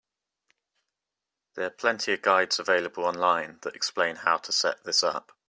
There are plenty of guides available online that explain how to set this up.